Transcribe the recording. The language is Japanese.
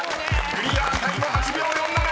［クリアタイム８秒４７］